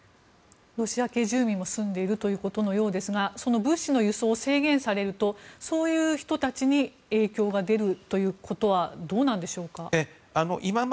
ロシア系住民も住んでいるということのようですがその物資の輸送を制限されるとそういう人たちに影響が出るというのはどうなんでしょうか。